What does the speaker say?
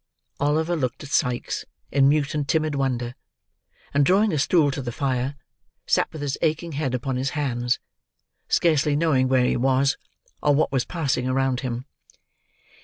Oliver looked at Sikes, in mute and timid wonder; and drawing a stool to the fire, sat with his aching head upon his hands, scarecely knowing where he was, or what was passing around him.